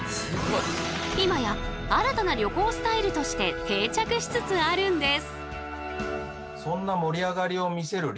今や新たな旅行スタイルとして定着しつつあるんです。